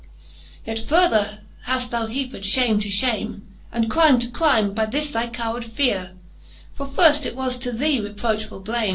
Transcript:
XXXIV. Yet further haft thou heaped fhame to fhame, And crime to crime, by this thy cowheard feare. For firft it was to thee reprochfuU blame.